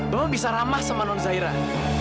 bapak bisa ramah sama nonzairah